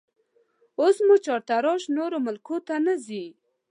اوس مو چارتراش نورو ملکو ته نه ځي